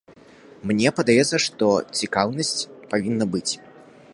Мне падаецца, што цікаўнасць павінна быць.